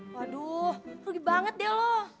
waduh rugi banget deh loh